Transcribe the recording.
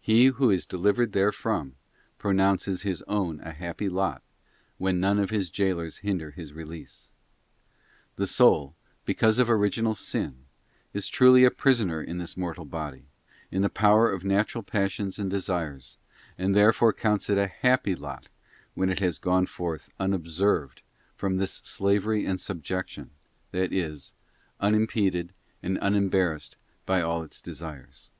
He who is delivered therefrom, pro ¥_ nounces his own a happy lot when none of his jailers hinder his release. The soul, because of original sin, is truly a _ prisoner in this mortal body, in the power of natural passions and desires, and therefore counts it a happy lot when it has gone forth unobserved from this slavery and subjection, that is, unimpeded and unembarrassed by all its desires.